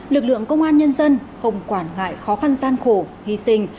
lực lượng công an nhân dân không quản ngại khó khăn gian khổ hy sinh